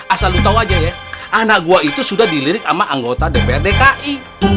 asal lu tau aja ya anak gua itu sudah dilirik sama anggota dprdki